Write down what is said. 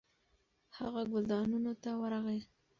هغه ګلدانونو ته ورغی.